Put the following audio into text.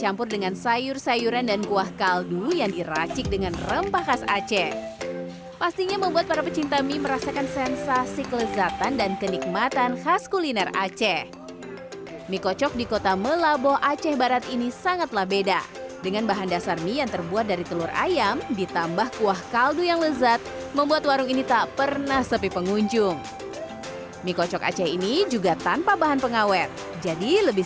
mie kocok blanc pidi khas aceh